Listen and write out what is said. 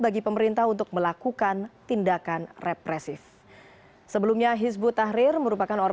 apa bukti represifnya itu